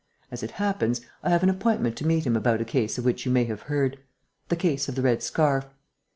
As it happens, I have an appointment to meet him about a case of which you may have heard: the case of the red scarf....